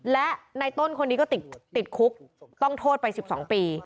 และในต้นคนนี้ก็ติดคุกต้องโทษไป๑๒ปี